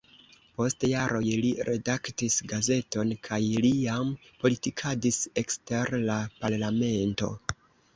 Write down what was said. Post jaroj li redaktis gazeton kaj li jam politikadis ekster la parlamento.